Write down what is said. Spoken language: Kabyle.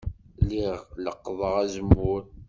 Lliɣ leqqḍeɣ azemmur.